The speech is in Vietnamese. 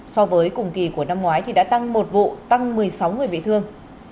so với cùng kỳ của năm ngoái đã tăng một vụ tăng một mươi sáu người bị thương